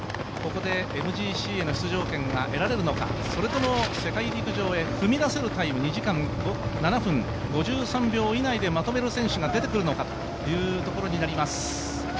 ここでＭＧＣへの出場権が得られるのかそれとも世界陸上へ踏み出せるタイム、２時間７分５３秒でまとめる選手が出てくるのかというところになります。